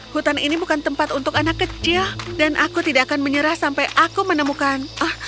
hutan ini bukan tempat untuk anak kecil dan aku tidak akan menyerah sampai aku menemukan